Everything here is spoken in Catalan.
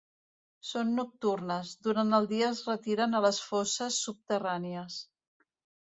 Són nocturnes, durant el dia es retiren a les fosses subterrànies.